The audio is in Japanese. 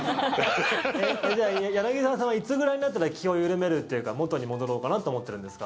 じゃあ、柳澤さんはいつぐらいになったら気を緩めるというか元に戻ろうかなと思っているんですか？